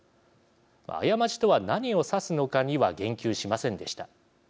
過ちとは何を指すのかには言及しませんでした。